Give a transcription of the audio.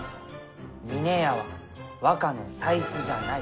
「峰屋は若の財布じゃない」。